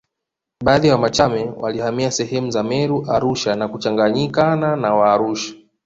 Baadhi ya Wamachame walihamia sehemu za Meru Arusha na kuchanganyikana na Waarusha